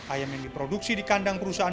ayam yang diproduksi di kandang perusahaan